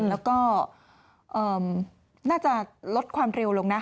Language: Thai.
แล้วก็น่าจะลดความเร็วลงนะ